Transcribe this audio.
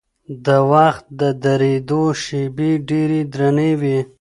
د وخت د درېدو شېبې ډېرې درنې وي.